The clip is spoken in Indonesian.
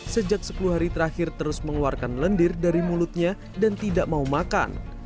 sejak sepuluh hari terakhir terus mengeluarkan lendir dari mulutnya dan tidak mau makan